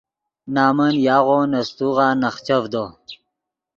نمن یاغو نے سیتوغا نخچڤدو